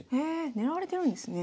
狙われてるんですね。